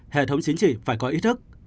hệ thống chính trị phải có ý thức